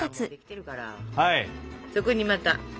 そこにまた。